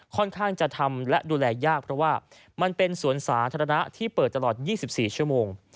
ค่อนข้างจะทำและดูแลยากเพราะว่ามันเป็นสวนสาธารณะที่เปิดตลอด๒๔ชั่วโมง